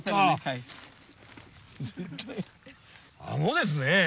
あのですね